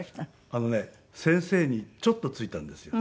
あのね先生にちょっと付いたんですよ。